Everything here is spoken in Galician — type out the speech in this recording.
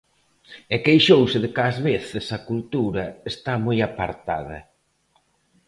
E queixouse de que ás veces a cultura está moi apartada.